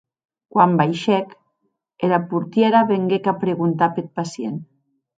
Quan baishèc, era portièra venguec a preguntar peth pacient.